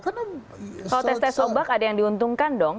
kalau tes tes obak ada yang diuntungkan dong